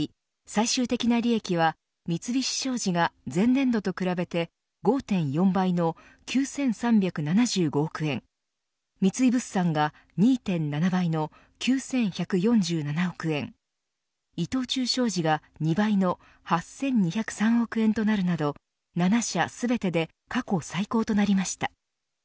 最終的な利益は、三菱商事が前年度と比べて５．４倍の９３７５億円三井物産が２．７倍の９１４７億円伊藤忠商事が２倍の８２０３億円となるなど７社全てで過去最高となりました。